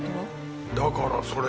だからそれは。